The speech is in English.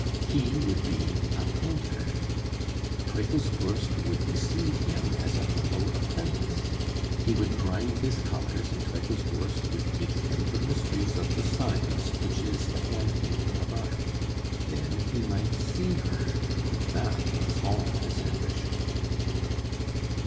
He would be a painter. Teufelsbürst would receive him as a humble apprentice. He would grind his colours, and Teufelsbürst would teach him the mysteries of the science which is the handmaiden of art. Then he might see her, and that was all his ambition.